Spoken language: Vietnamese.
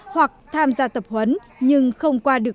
hoặc tham gia tập huấn nhưng không qua được